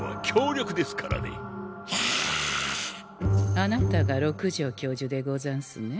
あなたが六条教授でござんすね。